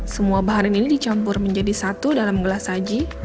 semua bahan ini dicampur menjadi satu dalam gelas saji